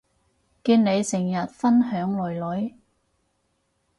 見你成日分享囡囡